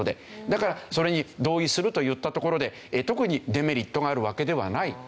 だからそれに同意するといったところで特にデメリットがあるわけではない。